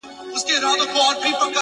o سوخ خوان سترگو كي بيده ښكاري؛